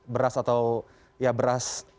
beras atau ya beras